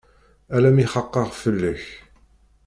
Alammi xaqeɣ fell-ak.